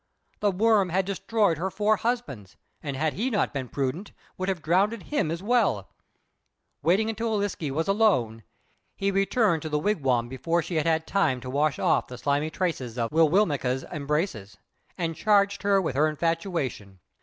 The worm had destroyed her four husbands, and, had he not been prudent, would have drowned him as well. Waiting until Ūliske was alone, he returned to the wigwam before she had had time to wash off the slimy traces of Wi will mekq's embraces, and charged her with her infatuation.